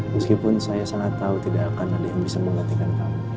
meskipun saya sangat tahu tidak akan ada yang bisa menggantikan kamu